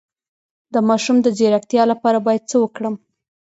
د ماشوم د ځیرکتیا لپاره باید څه وکړم؟